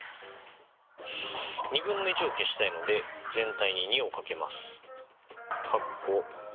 ２分の１を消したいので全体に２を掛けます。